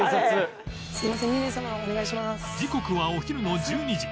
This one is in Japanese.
時刻はお昼の１２時